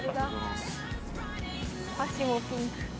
箸もピンク。